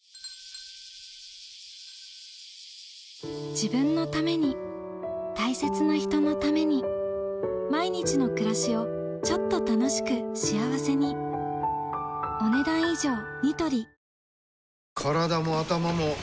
自分のために大切な人のために毎日の暮らしをちょっと楽しく幸せにお待たせしました。